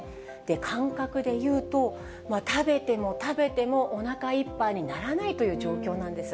感覚で言うと、食べても食べても、おなかいっぱいにならないという状況なんです。